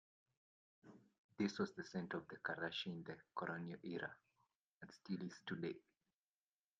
This was the centre of Karachi in the colonial era, and still is today.